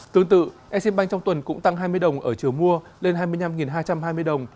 tương tự exim bank trong tuần cũng tăng hai mươi đồng ở chiều mua lên hai mươi năm hai trăm hai mươi đồng